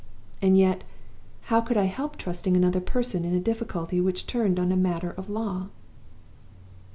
And yet, how could I help trusting another person in a difficulty which turned on a matter of law?